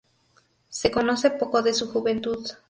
Se conoce poco de su juventud.